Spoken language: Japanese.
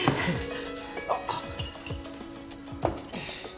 あっ！